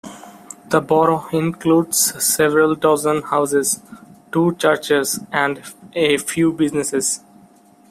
The borough includes several dozen houses, two churches, and a few businesses.